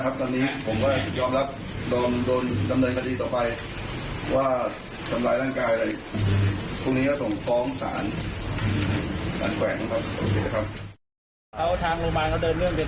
ปฏิบัติต่อไปว่าสำร้ายร่างกายอะไรพรุ่งนี้จะส่งฟ้องสารสารแขวนครับขอบคุณครับ